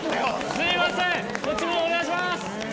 すいませんこっちもお願いします！